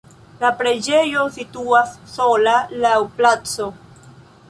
La preĝejo situas sola laŭ placo.